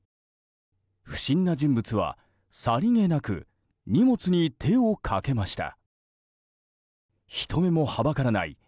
不審な人物はさりげなく荷物に手をかけました。